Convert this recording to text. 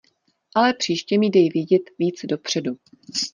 Ale příště mi dej vědět víc dopředu.